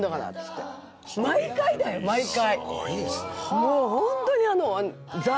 もうホントに。